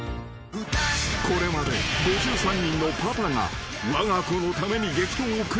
［これまで５３人のパパがわが子のために激闘を繰り広げてきた］